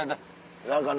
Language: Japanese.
何かね